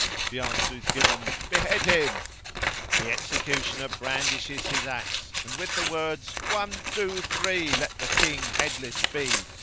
The answer is given, "Behead him"; the executioner brandishes his axe, and with the words, "One, two, three, let the King headless be!"